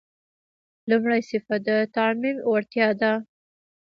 لومړی صفت د تعمیم وړتیا ده.